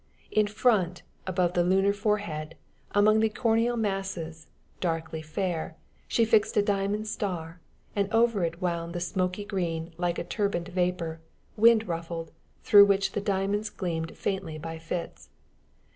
In front, above the lunar forehead, among the coronal masses, darkly fair, she fixed a diamond star, and over it wound the smoky green like a turbaned vapor, wind ruffled, through which the diamonds gleamed faintly by fits.